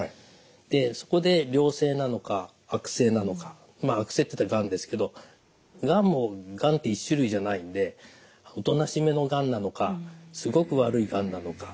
でそこで良性なのか悪性なのか悪性っていったらがんですけどがんって１種類じゃないんでおとなしめのがんなのかすごく悪いがんなのか。